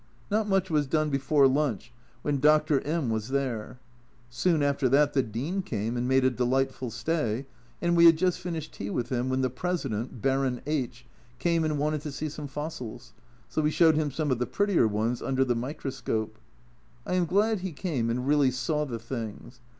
Not much was done before lunch, when Dr. Mk was there. Soon after that the Dean came, and made a delightful stay, and we had just finished tea with him when the President, Baron H , came and wanted to see some fossils, so we showed him some of the prettier ones under the microscope. I am glad he came and really saw the things.